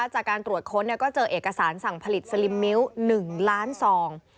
จากการตรวจค้นก็เจอเอกสารสั่งผลิตสลิมมิ้ว๑ล้านซอง